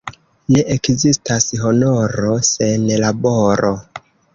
Ne ekzistas honoro sen laboro.